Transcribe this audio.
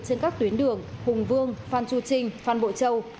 trên các tuyến đường hùng vương phan chu trinh phan bộ châu